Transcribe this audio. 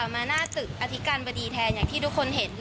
มาหน้าตึกอธิการบดีแทนอย่างที่ทุกคนเห็น